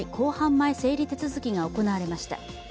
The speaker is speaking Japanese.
前整理手続きが行われました。